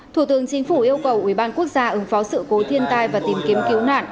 thủ tướng chính phủ yêu cầu ubnd ứng phó sự cố thiên tai và tìm kiếm cứu nạn